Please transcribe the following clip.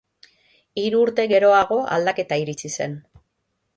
Hiru urte geroago aldaketa iritsi zen.